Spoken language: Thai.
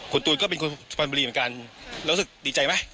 คุณตูนก็เป็นคนสุพรรณบุรีเหมือนกันรู้สึกดีใจไหม